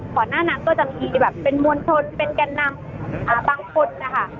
ขอแนะนำก็จะมีแบบเป็นมวลชนเป็นแกนนำบางคนนะคะ